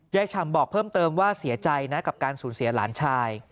ฉ่ำบอกเพิ่มเติมว่าเสียใจนะกับการสูญเสียหลานชาย